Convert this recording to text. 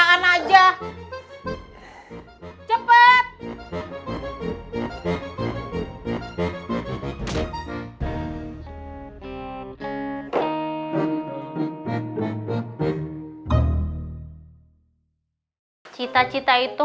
sampai jumpa di video selanjutnya